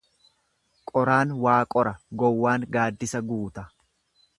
Qoraan waa qora gowwaan gaaddisa guuta.